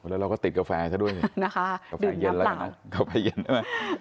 แล้วเราก็ติดกาแฟให้ด้วยนะคะดื่มน้ำเปล่า